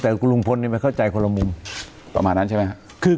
แต่คุณลุงพลคิดเลยว่าเขาเลยตอบกลางมุมต่อมานั้นใช่ไหมครับ